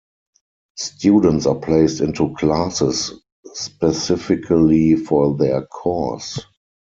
Students are placed into classes specifically for their course.